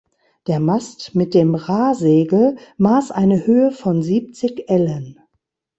Der Mast mit dem Rahsegel maß eine höhe von siebzig Ellen.